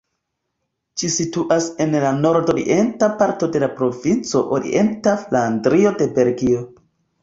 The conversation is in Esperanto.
Ĝi situas en la nordorienta parto de la provinco Orienta Flandrio de Belgio.